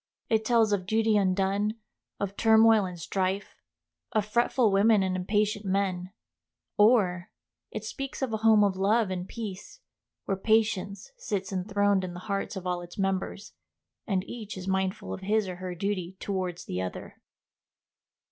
It tells of duty undone, of turmoil and strife, of fretful women and impatient men; or, it speaks of a home of love and peace, where patience sits enthroned in the hearts of all its members, and each is mindful of his or her duty towards the other.